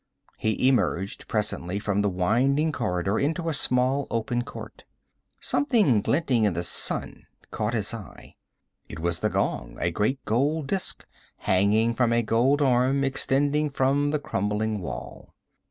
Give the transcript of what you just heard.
He emerged presently from the winding corridor into a small open court. Something glinting in the sun caught his eye. It was the gong, a great gold disk, hanging from a gold arm extending from the crumbling wall.